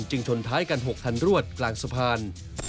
ชนท้ายกัน๖คันรวดกลางสะพาน